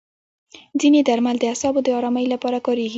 ځینې درمل د اعصابو د ارامۍ لپاره کارېږي.